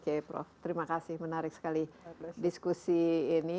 oke prof terima kasih menarik sekali diskusi ini